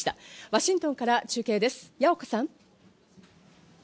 ワシントンから中継です、矢岡さん。